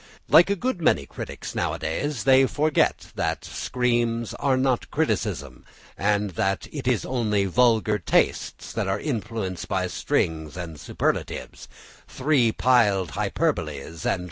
Like a good many critics now a days, they forget that screams are not criticism, and that it is only vulgar tastes that are influenced by strings of superlatives, three piled hyperboles, and pompous epithets.